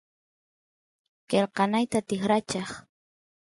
qelqanayta tikracheq